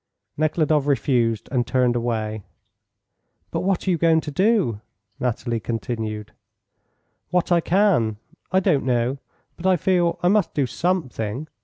Nekhludoff refused, and turned away. "But what are you going to do?" Nathalie continued. "What I can. I don't know, but I feel I must do something.